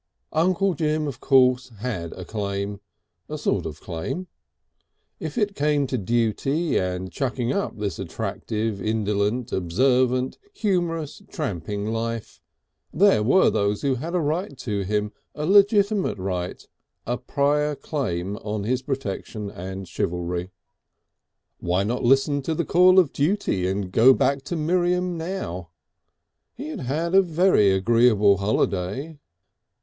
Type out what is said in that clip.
Uncle Jim, of course, had a claim, a sort of claim. If it came to duty and chucking up this attractive, indolent, observant, humorous, tramping life, there were those who had a right to him, a legitimate right, a prior claim on his protection and chivalry. Why not listen to the call of duty and go back to Miriam now?... He had had a very agreeable holiday....